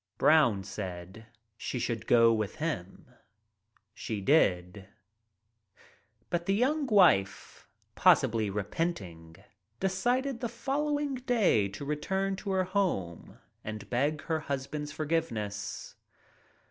Brown said she should go with him. She did. But the young wife, possibly repenting, decided the following day to return to her home and beg her husband's forgiveness.